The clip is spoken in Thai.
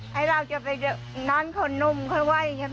ให้เราจะไปนอนคนนุ่มค่อยไหว้ใช่ไหม